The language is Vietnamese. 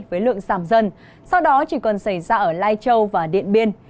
với lượng giảm dần sau đó chỉ còn xảy ra ở lai châu và điện biên